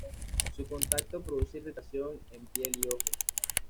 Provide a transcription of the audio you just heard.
Su contacto produce irritación en piel y ojos.